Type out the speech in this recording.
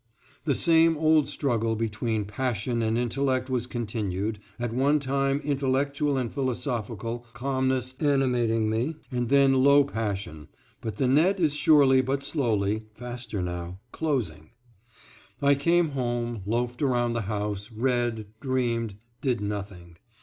The same old struggle between passion and intellect was continued, at one time intellectual and philosophical calmness animating me and then low passion, but the net is surely but slowly (faster now) closing. I came home, loafed around the house, read, dreamed, did nothing.